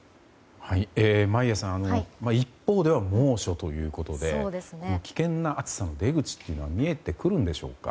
眞家さん一方では猛暑ということで危険な暑さの出口は見えてくるんでしょうか？